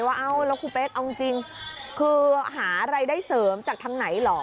เอ้าแล้วครูเป๊กเอาจริงคือหารายได้เสริมจากทางไหนเหรอ